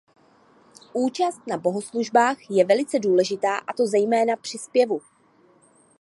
Účast na bohoslužbách je velice důležitá a to zejména při zpěvu.